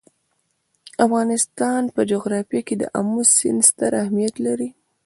د افغانستان په جغرافیه کې آمو سیند ستر اهمیت لري.